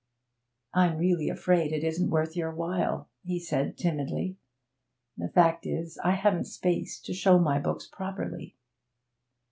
'I'm really afraid it isn't worth your while,' he said timidly. 'The fact is, I haven't space to show my books properly.'